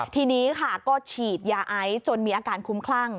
ทีนี้ค่ะก็ฉีดยาไอซ์จนมีอาการคุ้มคลั่ง